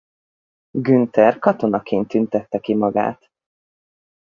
Günther katonaként tüntette ki magát.